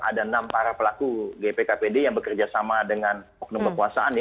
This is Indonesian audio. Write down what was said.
ada enam para pelaku gip kpd yang bekerja sama dengan oknum perpuasaan ya